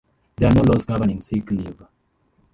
There are no laws governing sick leave.